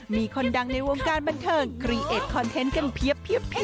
มีคนดังในวงการบันเทิงครีเอ็ดคอนเทนต์กันเพียบ